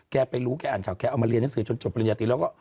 ไปรู้แกอ่านข่าวแกเอามาเรียนหนังสือจนจบปริญญาตรีแล้วก็